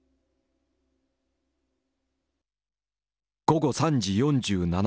午後３時４７分。